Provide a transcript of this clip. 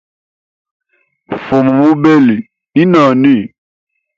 Fumu mubeli ni nani?